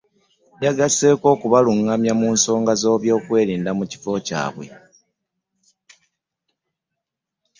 Yagasseeko okubalungamya ku nsonga z'ebyokwerinda mu bifo byabwe.